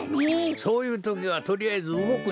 そういうときはとりあえずうごくんじゃ。